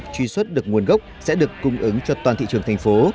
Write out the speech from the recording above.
truy xuất được nguồn gốc sẽ được cung ứng cho toàn thị trường thành phố